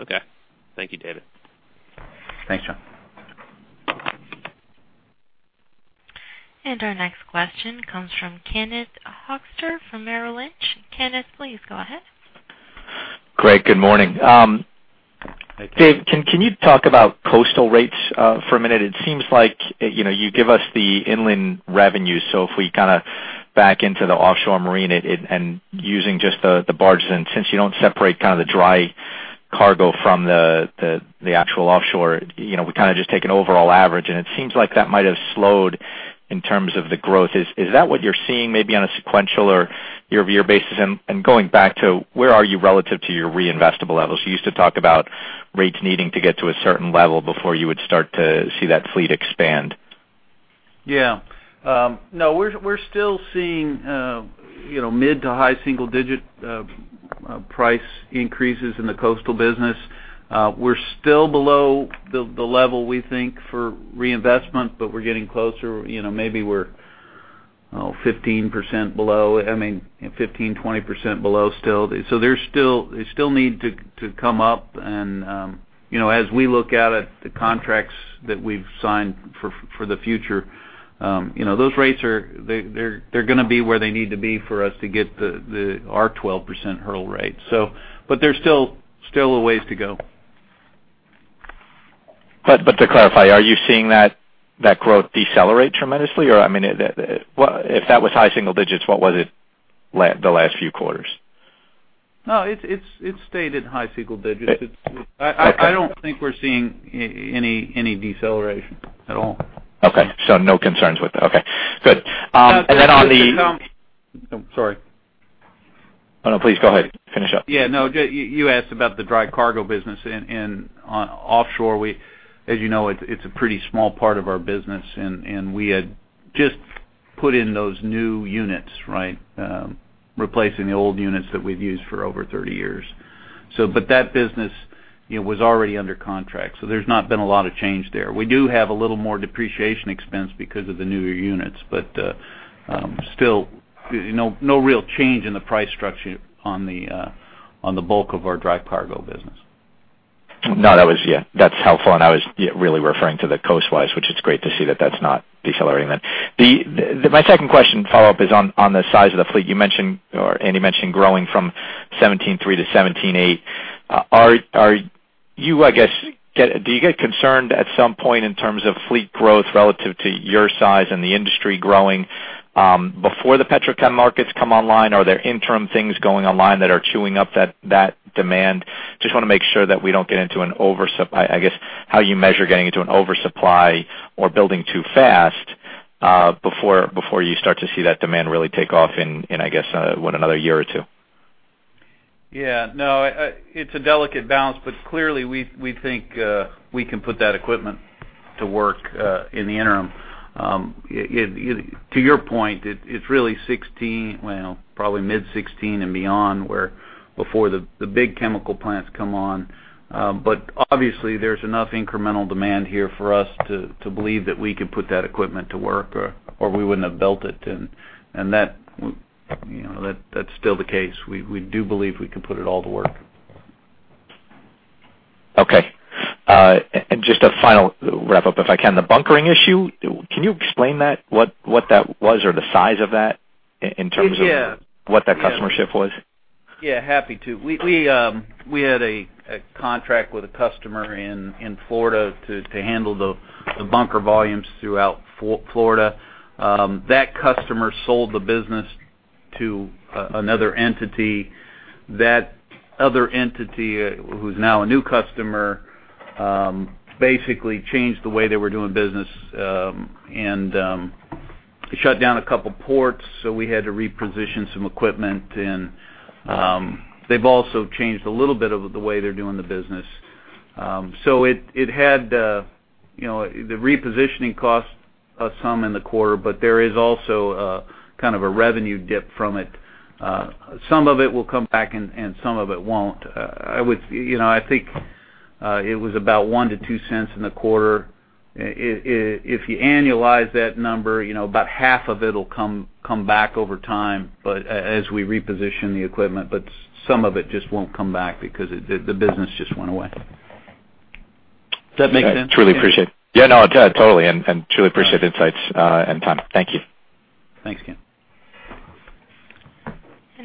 Okay. Thank you, David. Thanks, John. Our next question comes from Ken Hoexter from Merrill Lynch. Ken, please go ahead. Great. Good morning. Hey, Ken. Dave, can you talk about coastal rates for a minute? It seems like, you know, you give us the inland revenue. So if we kind of back into the offshore marine and using just the barges, and since you don't separate kind of the dry cargo from the actual offshore, you know, we kind of just take an overall average, and it seems like that might have slowed in terms of the growth. Is that what you're seeing maybe on a sequential or year-over-year basis? And going back to where are you relative to your reinvestable levels? You used to talk about rates needing to get to a certain level before you would start to see that fleet expand. Yeah. No, we're still seeing, you know, mid- to high-single-digit price increases in the coastal business. We're still below the level we think for reinvestment, but we're getting closer. You know, maybe we're oh, 15% below. I mean, 15%-20% below still. So there's still they still need to come up. And, you know, as we look at it, the contracts that we've signed for the future, you know, those rates are they're gonna be where they need to be for us to get our 12% hurdle rate. So but there's still a ways to go. But to clarify, are you seeing that growth decelerate tremendously? Or, I mean, what if that was high single digits, what was it the last few quarters? No, it's stayed in high single digits. Okay. I don't think we're seeing any deceleration at all. Okay, so no concerns with it. Okay, good. And then on the- Sorry. Oh, no, please go ahead. Finish up. Yeah, no, you asked about the dry cargo business in on offshore. As you know, it's a pretty small part of our business, and we had just put in those new units, right? Replacing the old units that we've used for over 30 years. But that business, you know, was already under contract, so there's not been a lot of change there. We do have a little more depreciation expense because of the newer units, but still, you know, no real change in the price structure on the bulk of our dry cargo business. No, that was... Yeah, that's helpful. And I was, yeah, really referring to the coast-wise, which it's great to see that that's not decelerating then. The my second question, follow-up is on the size of the fleet. You mentioned, or Andy mentioned, growing from 173 to 178. Do you get concerned at some point in terms of fleet growth relative to your size and the industry growing before the petrochem markets come online? Are there interim things going online that are chewing up that demand? Just want to make sure that we don't get into an oversup- I guess, how you measure getting into an oversupply or building too fast before you start to see that demand really take off in, I guess, what another year or two? Yeah. No, it's a delicate balance, but clearly, we, we think, we can put that equipment to work, in the interim. To your point, it's really 16, well, probably mid-16 and beyond, where before the big chemical plants come on. But obviously, there's enough incremental demand here for us to believe that we can put that equipment to work or we wouldn't have built it. And that, you know, that's still the case. We, we do believe we can put it all to work. Okay. Just a final wrap-up, if I can. The bunkering issue, can you explain that? What that was or the size of that in terms of- Yeah What that customer shift was? Yeah, happy to. We had a contract with a customer in Florida to handle the bunker volumes throughout Florida. That customer sold the business to another entity. That other entity, who's now a new customer, basically changed the way they were doing business, and shut down a couple ports, so we had to reposition some equipment. And they've also changed a little bit of the way they're doing the business. So it had you know, the repositioning cost us some in the quarter, but there is also kind of a revenue dip from it. Some of it will come back, and some of it won't. I would... You know, I think it was about $0.01-$0.02 in the quarter. If you annualize that number, you know, about half of it'll come back over time, but as we reposition the equipment, but some of it just won't come back because it, the business just went away. Does that make sense? Truly appreciate. Yeah, no, totally. And truly appreciate the insights, and time. Thank you. Thanks, Ken.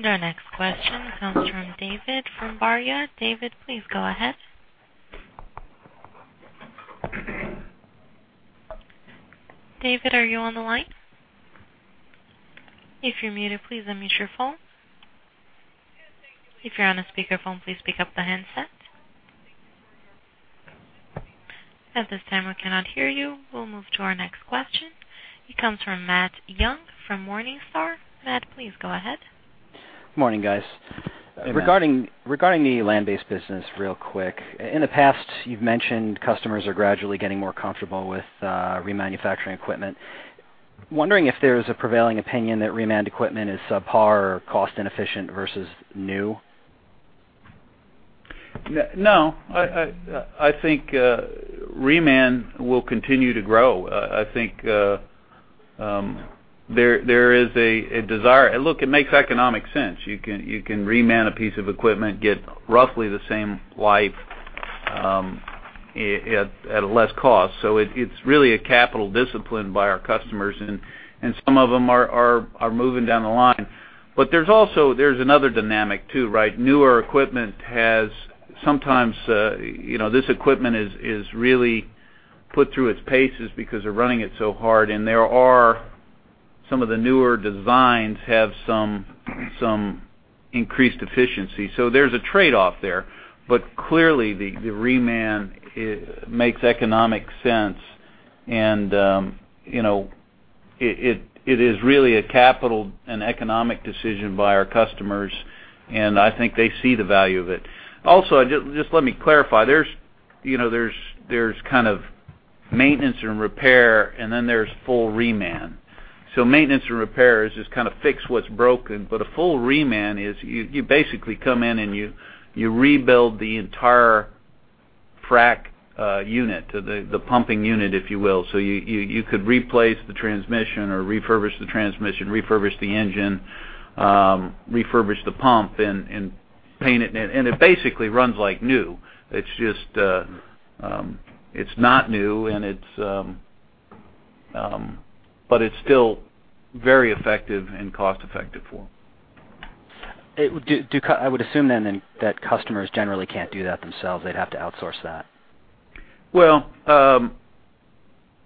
Our next question comes from David from Iberia. David, please go ahead. David, are you on the line? If you're muted, please unmute your phone. If you're on a speakerphone, please pick up the handset. At this time, we cannot hear you. We'll move to our next question. It comes from Matt Young, from Morningstar. Matt, please go ahead. Good morning, guys. Good morning. Regarding the land-based business, real quick. In the past, you've mentioned customers are gradually getting more comfortable with remanufacturing equipment. Wondering if there's a prevailing opinion that reman equipment is subpar or cost-inefficient versus new? No, I think reman will continue to grow. I think there is a desire. Look, it makes economic sense. You can reman a piece of equipment, get roughly the same life at a less cost. So it's really a capital discipline by our customers, and some of them are moving down the line. But there's also. There's another dynamic too, right? Newer equipment has sometimes, you know, this equipment is really put through its paces because they're running it so hard, and there are some of the newer designs have some increased efficiency. So there's a trade-off there. But clearly, the reman makes economic sense, and, you know, it is really a capital and economic decision by our customers, and I think they see the value of it. Also, just, just let me clarify. There's, you know, there's kind of maintenance and repair, and then there's full reman. So maintenance and repair is just kind of fix what's broken, but a full reman is you basically come in and you rebuild the entire frac unit, the pumping unit, if you will. So you could replace the transmission or refurbish the transmission, refurbish the engine, refurbish the pump and paint it, and it basically runs like new. It's just, it's not new, and it's, but it's still very effective and cost-effective for them. I would assume then that customers generally can't do that themselves. They'd have to outsource that? Well, um-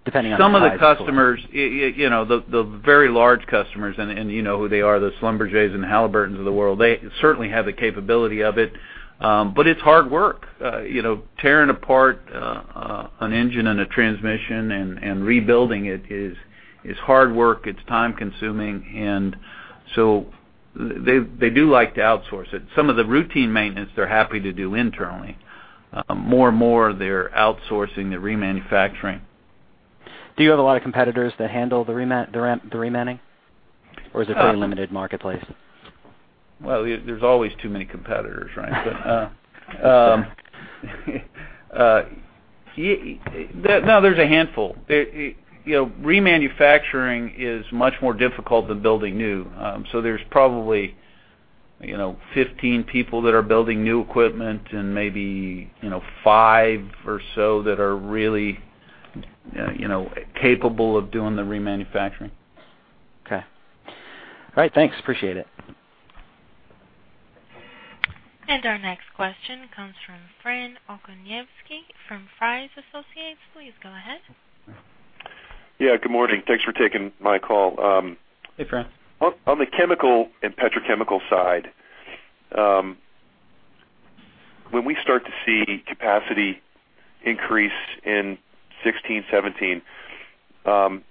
Depending on the size- Some of the customers, you know, the very large customers, and you know who they are, the Schlumberger and Halliburton of the world, they certainly have the capability of it, but it's hard work. You know, tearing apart an engine and a transmission and rebuilding it is hard work. It's time-consuming, and so they do like to outsource it. Some of the routine maintenance, they're happy to do internally. More and more, they're outsourcing the remanufacturing. Do you have a lot of competitors that handle the remanufacturing, or is it a very limited marketplace? Well, there's always too many competitors, right? Sure. Yeah, no, there's a handful. It, you know, remanufacturing is much more difficult than building new. So there's probably, you know, 15 people that are building new equipment and maybe, you know, 5 or so that are really, you know, capable of doing the remanufacturing. Okay. All right, thanks. Appreciate it. Our next question comes from Fran Okoniewski from Friess Associates. Please go ahead. Yeah, good morning. Thanks for taking my call. Hey, Fran. On the chemical and petrochemical side, when we start to see capacity increase in 2016, 2017, I'm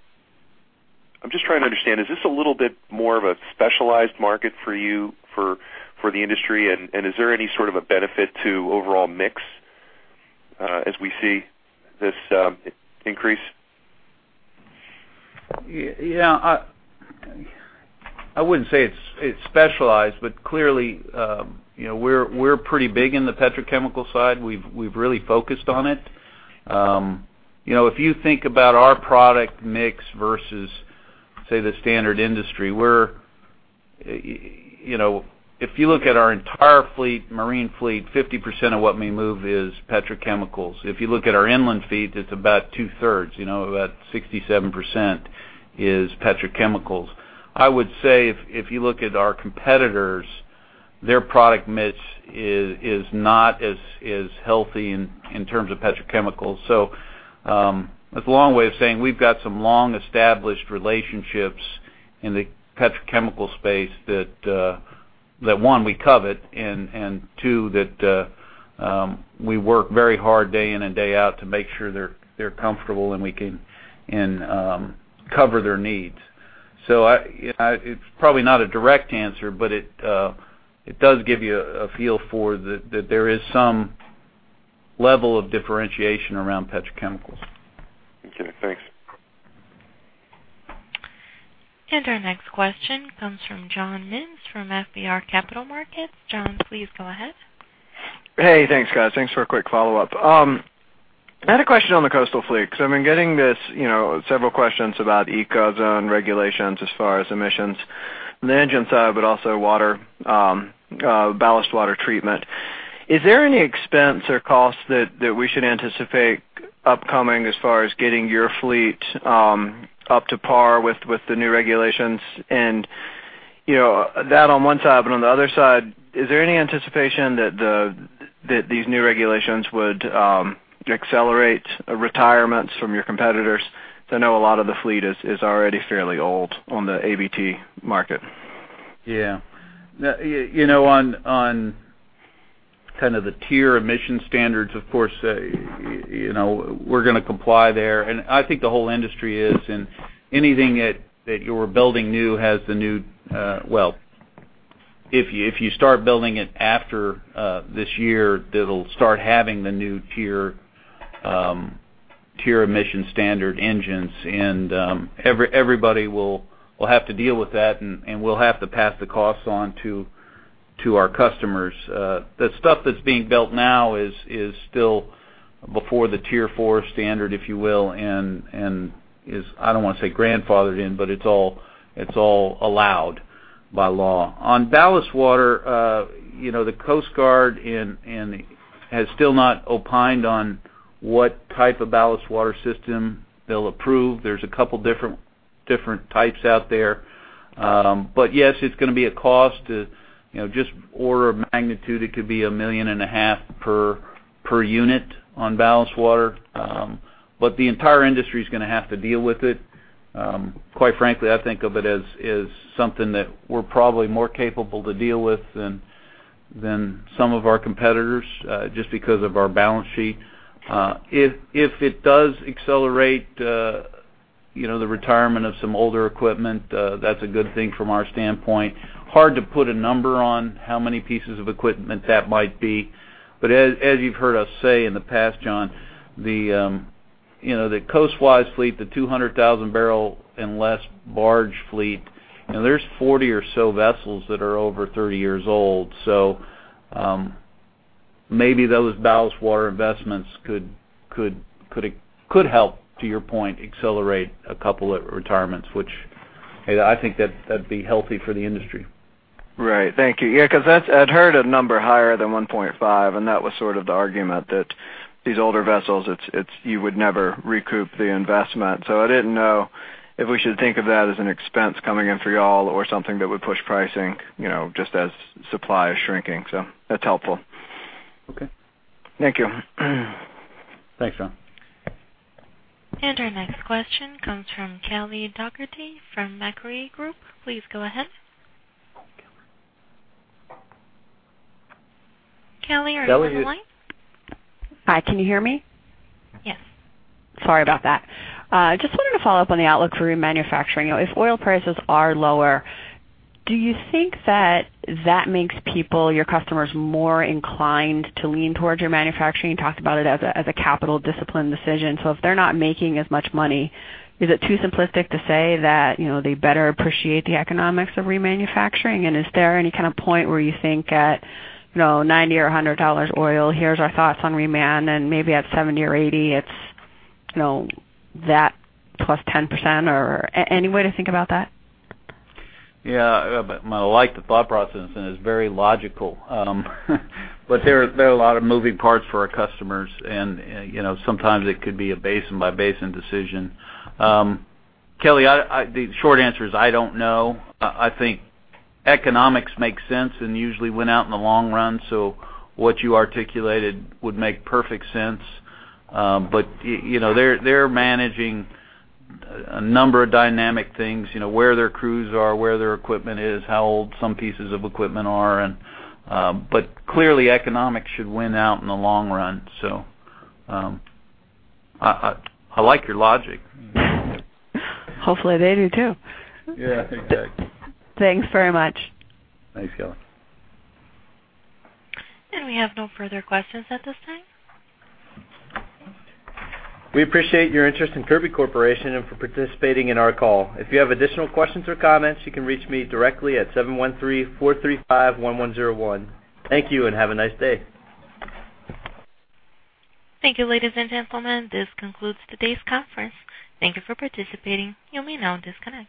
just trying to understand, is this a little bit more of a specialized market for you, for the industry? And is there any sort of a benefit to overall mix, as we see this increase? Yeah, I wouldn't say it's, it's specialized, but clearly, you know, we're, we're pretty big in the petrochemical side. We've, we've really focused on it. You know, if you think about our product mix versus, say, the standard industry, we're, you know, if you look at our entire fleet, marine fleet, 50% of what we move is petrochemicals. If you look at our inland fleet, it's about two-thirds, you know, about 67% is petrochemicals. I would say if, if you look at our competitors, their product mix is, is not as, as healthy in, in terms of petrochemicals. So, that's a long way of saying we've got some long-established relationships in the petrochemical space that, that, one, we covet, and, and two, that, we work very hard day in and day out to make sure they're, they're comfortable, and we can, and, cover their needs. So I, I, it's probably not a direct answer, but it, it does give you a, a feel for that, that there is some level of differentiation around petrochemicals. Okay, thanks. Our next question comes from John Mims, from FBR Capital Markets. John, please go ahead. Hey, thanks, guys. Thanks for a quick follow-up. I had a question on the coastal fleet because I've been getting this, you know, several questions about ECA zone regulations as far as emissions on the engine side, but also water, ballast water treatment. Is there any expense or cost that we should anticipate upcoming as far as getting your fleet up to par with the new regulations? And, you know, that on one side, but on the other side, is there any anticipation that these new regulations would accelerate retirements from your competitors? I know a lot of the fleet is already fairly old on the ATB market. Yeah. You know, on kind of the Tier emission standards, of course, you know, we're gonna comply there, and I think the whole industry is, and anything that you're building new has the new... Well, if you start building it after this year, it'll start having the new Tier emission standard engines, and everybody will have to deal with that, and we'll have to pass the costs on to our customers. The stuff that's being built now is still before the Tier 4 standard, if you will, and is, I don't want to say grandfathered in, but it's all allowed by law. On ballast water, you know, the Coast Guard has still not opined on what type of ballast water system they'll approve. There's a couple different types out there. But yes, it's gonna be a cost to, you know, just order of magnitude, it could be $1.5 million per unit on ballast water, but the entire industry is gonna have to deal with it. Quite frankly, I think of it as something that we're probably more capable to deal with than some of our competitors, just because of our balance sheet. If it does accelerate, you know, the retirement of some older equipment, that's a good thing from our standpoint. Hard to put a number on how many pieces of equipment that might be, but as you've heard us say in the past, John, the... You know, the coastwise fleet, the 200,000 barrel and less barge fleet, you know, there's 40 or so vessels that are over 30 years old. So, maybe those ballast water investments could help, to your point, accelerate a couple of retirements, which I think that'd be healthy for the industry. Right. Thank you. Yeah, because that's-- I'd heard a number higher than 1.5, and that was sort of the argument that these older vessels, it's, it's-- you would never recoup the investment. So I didn't know if we should think of that as an expense coming in for y'all or something that would push pricing, you know, just as supply is shrinking. So that's helpful. Okay. Thank you. Thanks, John. Our next question comes from Kelly Dougherty from Macquarie Group. Please go ahead. Kelly, are you on the line? Hi, can you hear me? Yes. Sorry about that. Just wanted to follow up on the outlook for remanufacturing. If oil prices are lower, do you think that that makes people, your customers, more inclined to lean towards your manufacturing? You talked about it as a, as a capital discipline decision. So if they're not making as much money, is it too simplistic to say that, you know, they better appreciate the economics of remanufacturing? And is there any kind of point where you think at, you know, $90 or $100 oil, here's our thoughts on reman, and maybe at $70 or $80, it's, you know, that plus 10%, or any way to think about that? Yeah, but I like the thought process, and it's very logical. But there are a lot of moving parts for our customers and, you know, sometimes it could be a basin-by-basin decision. Kelly, the short answer is I don't know. I think economics makes sense and usually win out in the long run, so what you articulated would make perfect sense. But you know, they're managing a number of dynamic things. You know, where their crews are, where their equipment is, how old some pieces of equipment are, and... But clearly, economics should win out in the long run. So, I like your logic. Hopefully, they do, too. Yeah, I think so. Thanks very much. Thanks, Kelly. We have no further questions at this time. We appreciate your interest in Kirby Corporation and for participating in our call. If you have additional questions or comments, you can reach me directly at 713-435-1101. Thank you, and have a nice day. Thank you, ladies and gentlemen. This concludes today's conference. Thank you for participating. You may now disconnect.